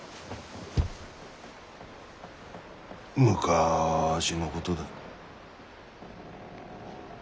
昔のことだ。